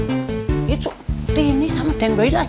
ini cuti sama deng boy lah